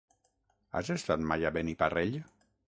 Has estat mai a Beniparrell?